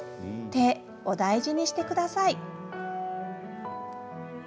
手、お大事にしてください」